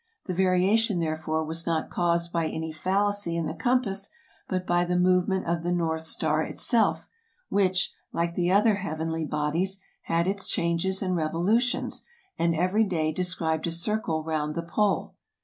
The variation, therefore, was not caused by any fallacy in the compass, but by the move ment of the north star itself, which, like the other heavenly bodies, had its changes and revolutions, and every day de scribed a circle round the pole.